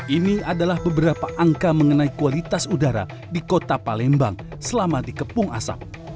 ini adalah beberapa angka mengenai kualitas udara di kota palembang selama dikepung asap